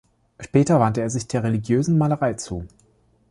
Später wandte er sich der religiösen Malerei zu.